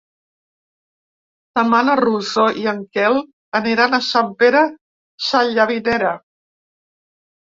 Demà na Rosó i en Quel aniran a Sant Pere Sallavinera.